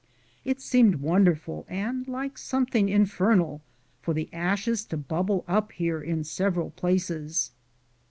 It seemed wonderful and like something infer nal, for the ashes to bubble up here in sev eral places.